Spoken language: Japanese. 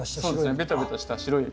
ベタベタした白い液。